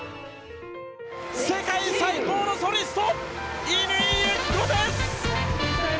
世界最高のソリスト乾友紀子です！